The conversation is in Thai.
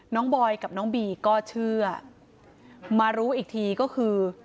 บอยกับน้องบีก็เชื่อมารู้อีกทีก็คือ